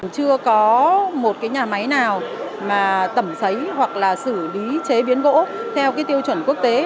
chưa có một nhà máy nào tẩm sấy hoặc xử lý chế biến gỗ theo tiêu chuẩn quốc tế